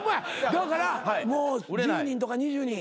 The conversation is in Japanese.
だからもう１０人とか２０人。